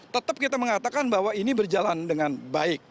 tetap kita mengatakan bahwa ini berjalan dengan baik